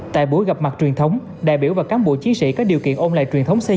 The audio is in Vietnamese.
tại buổi gặp mặt truyền thống đại biểu và cán bộ chiến sĩ có điều kiện ôn lại truyền thống xây